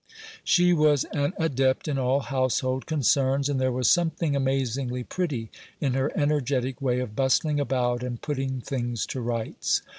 She was an adept in all household concerns, and there was something amazingly pretty in her energetic way of bustling about, and "putting things to rights."